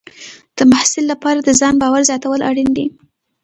د محصل لپاره د ځان باور زیاتول اړین دي.